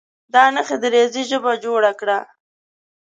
دا نښې د ریاضي ژبه جوړه کړه.